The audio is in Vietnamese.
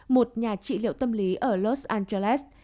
một nhà trị liệu tâm lý ở los angeles